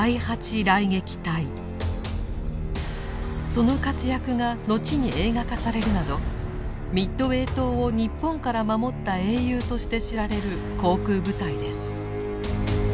その活躍がのちに映画化されるなどミッドウェー島を日本から守った英雄として知られる航空部隊です。